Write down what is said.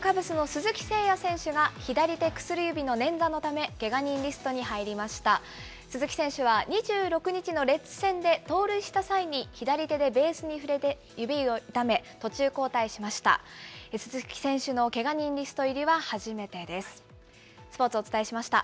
鈴木選手は２６日のレッズ戦で、盗塁した際に左手でベースに触れて指を痛め、途中交代しました。